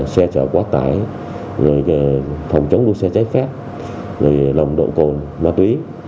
xe chở quá tải phòng chống đua xe cháy phép lồng độ cồn ma túy